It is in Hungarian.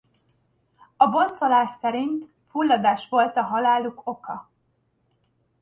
A boncolás szerint fulladás volt a haláluk oka.